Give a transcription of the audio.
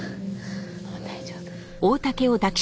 もう大丈夫。